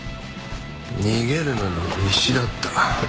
逃げるのに必死だった。